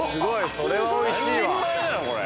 それはおいしいわ。